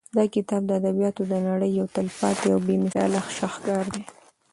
دا کتاب د ادبیاتو د نړۍ یو تلپاتې او بې مثاله شاهکار دی.